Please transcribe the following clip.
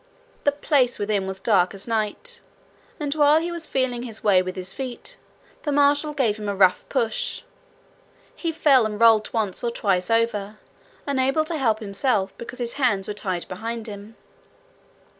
The place within was dark as night, and while he was feeling his way with his feet, the marshal gave him a rough push. He fell, and rolled once or twice over, unable to help himself because his hands were tied behind him.